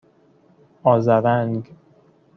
آذرنگ